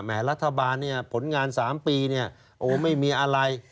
แหมรัฐบาลผลงาน๓ปีโอ้โฮไม่มีอะไร